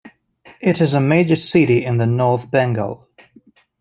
It is a major city in the north Bengal.